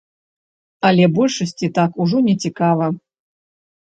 Але большасці так ужо не цікава.